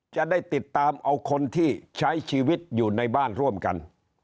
จะได้ติดตามเอาคนที่ใช้ชีวิตอยู่ในบ้านร่วมกัน